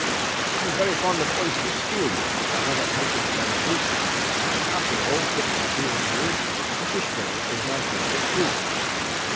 I'm very fond of oyster stew, I love a patent leather boot, But after all, 'twixt me and you, The fish ball is my favourite fruit.'"